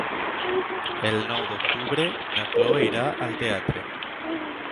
El nou d'octubre na Chloé irà al teatre.